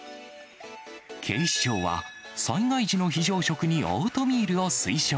警視庁は、災害時の非常食にオートミールを推奨。